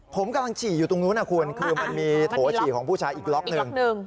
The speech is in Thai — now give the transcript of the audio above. ผมกำลังฉี่อยู่ตรงนู้นนะคุณคือมันมีโถฉี่ของผู้ชายอีกล็อกหนึ่ง